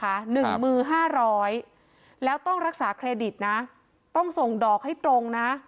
หนึ่งมือห้าร้อยแล้วต้องรักษาเครดิตนะต้องส่งดอกให้ตรงนะ